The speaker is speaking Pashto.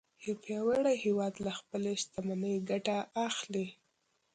یو پیاوړی هیواد له خپلې شتمنۍ ګټه اخلي